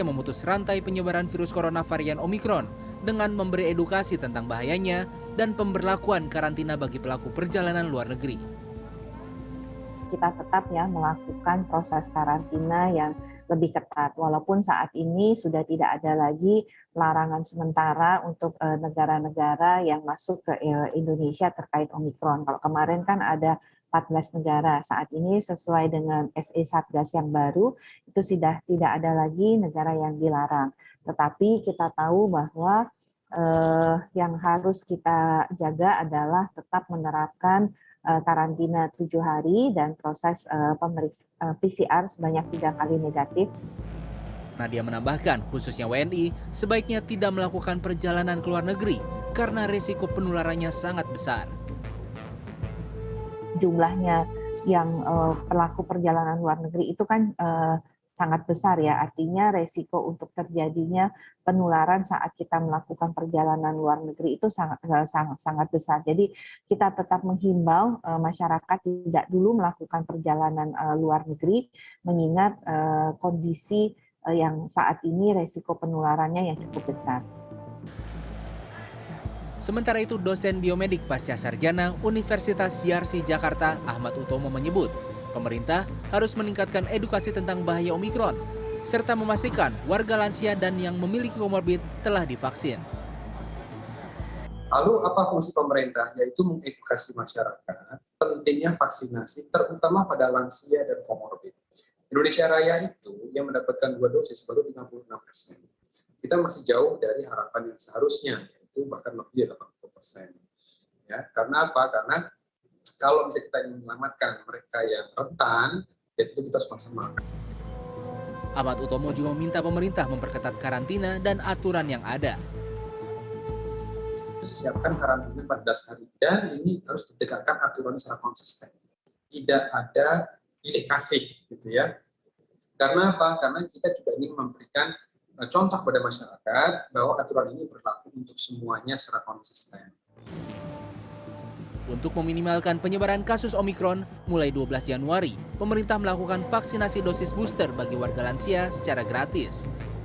mulai dua belas januari pemerintah melakukan vaksinasi dosis booster bagi warga lansia secara gratis